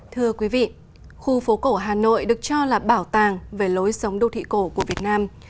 thưa quý vị khu phố cổ hà nội được cho là bảo tàng về lối sống đô thị cổ của việt nam